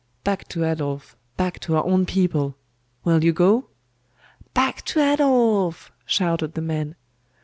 Back to Adolf; back to our own people! Will you go?' 'Back to Adolf!' shouted the men.